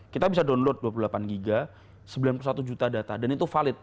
kita bisa download dua puluh delapan giga sembilan puluh satu juta data dan itu valid